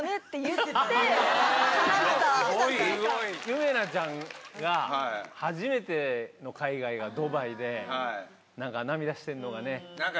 夢菜ちゃんが初めての海外がドバイでなんか涙してるのがね